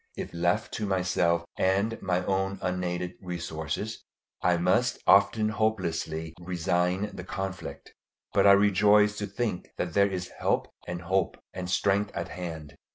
If left to myself and my own unaided resources, I must often hopelessly resign the conflict. But I rejoice to think that there is help and hope and strength at hand.